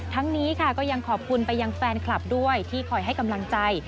ทั้งนี้ค่ะก็ยังขอบคุณไปยังแฟนคลับด้วยที่คอยให้กำลังใจ